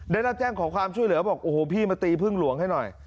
ได้รับแจ้งขอความช่วยเหลือบอกโอ้โหพี่มาตีพึ่งหลวงให้หน่อย